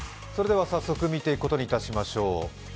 早速見ていくことにいたしましょう。